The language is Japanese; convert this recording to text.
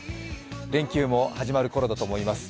連休も始まるころだと思います。